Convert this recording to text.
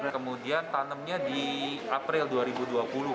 kemudian tanamnya di april dua ribu dua puluh